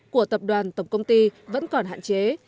của tập đoàn tổng công ty vẫn còn hạn chế